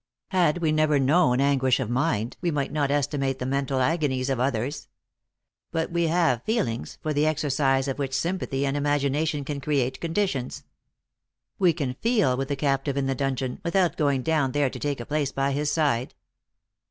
Had we never known anguish of mind, we might not estimate the mental agonies of others. But we have feelings, for the exercise of which sympathy 236 THE ACTRESS IN HIGH LIFE. and imagination can create conditions. We can feel with the captive in the dungeon, without going down there to take a place by his side."